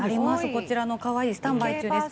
こちらのかわいいスタンバイ中です。